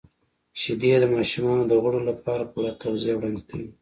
•شیدې د ماشومانو د غړو لپاره پوره تغذیه وړاندې کوي.